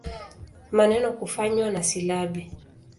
Maneno kufanywa na silabi.